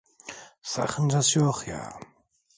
Sakıncası yok ya?